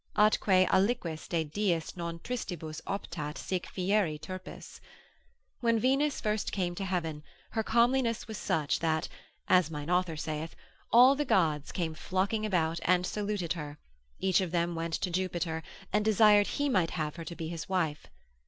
———atque aliquis de diis non tristibus optat Sic fieri turpis——— When Venus came first to heaven, her comeliness was such, that (as mine author saith) all the gods came flocking about, and saluted her, each of them went to Jupiter, and desired he might have her to be his wife.